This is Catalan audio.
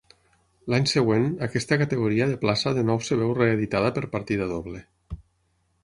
L'any següent, aquesta categoria de plaça de nou es veu reeditada per partida doble.